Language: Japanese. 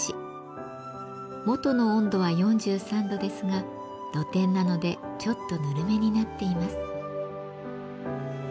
元の温度は４３度ですが露天なのでちょっとぬるめになっています。